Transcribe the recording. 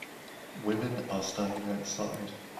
Women are standing outside